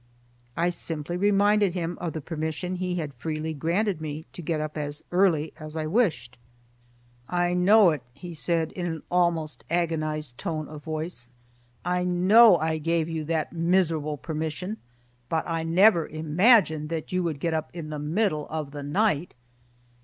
I simply reminded him of the permission he had freely granted me to get up as early as I wished. "I know it," he said, in an almost agonized tone of voice, "I know I gave you that miserable permission, but I never imagined that you would get up in the middle of the night."